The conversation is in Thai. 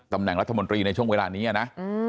ตำแหน่งรัฐมนตรีในช่วงเวลานี้นะ